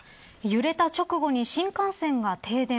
揺れた直後に新幹線が停電。